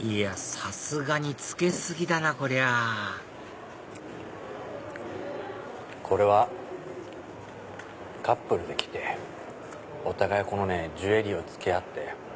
さすがに着け過ぎだなこりゃこれはカップルで来てお互いジュエリーを着け合って。